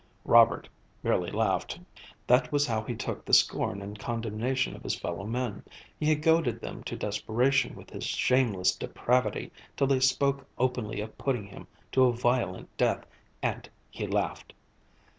Robert merely laughed. That was how he took the scorn and condemnation of his fellow men. He had goaded them to desperation with his shameless depravity till they spoke openly of putting him to a violent death, and he laughed.